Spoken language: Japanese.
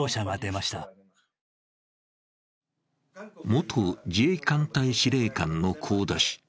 元自衛艦隊司令官の香田氏。